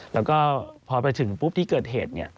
แล้วก็พอไปถึงปุ๊บที่เกิดเหตุ